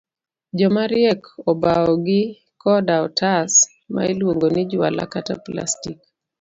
Jomariek obawo gi koda otas ma iluongo ni juala kata plastik.